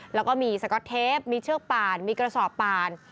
แล้วก็มีสก๊อตเทปมีเชือกป่านมีกระสอบป่าน